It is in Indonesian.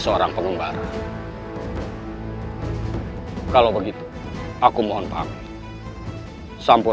aku rangka buat anak anakmu